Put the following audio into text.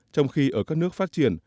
trong khi ở các nước phát triển